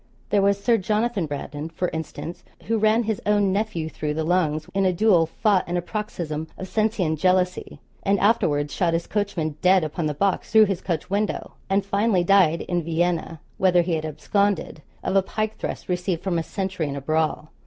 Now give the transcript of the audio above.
There was Sir Jonathan Brandon, for instance, who ran his own nephew through the lungs in a duel fought in a paroxysm of Cencian jealousy; and afterwards shot his coachman dead upon the box through his coach window, and finally died in Vienna, whither he had absconded, of a pike thrust received from a sentry in a brawl.